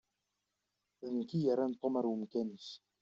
D nekk i yerran Tom ar umkan-is.